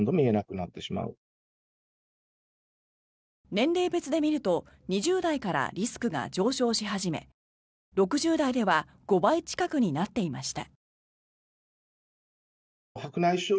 年齢別で見ると２０代からリスクが上昇し始め６０代では５倍近くになっていました。